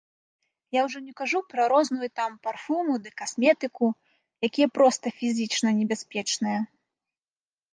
Я ўжо не кажу пра розную там парфуму ды касметыку, якія проста фізічна небяспечныя!